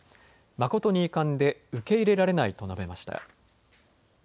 誠に遺憾で受け入れられないと述べました。